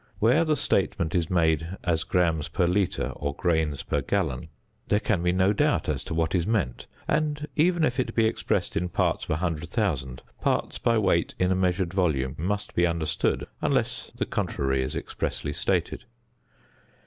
Where the statement is made as grams per litre or grains per gallon, there can be no doubt as to what is meant; and even if it be expressed in parts per 100,000, parts by weight in a measured volume must be understood unless the contrary is expressly stated.